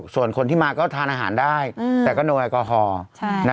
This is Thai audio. ส่วนคนที่มาก็ทานอาหารได้แต่ก็โดนแอลกอฮอล์